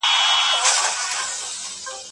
غازي امان الله خان د ولور منع کولو هڅه وکړه.